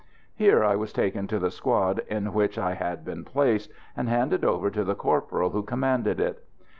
Here I was taken to the squad in which I had been placed, and handed over to the corporal who commanded it.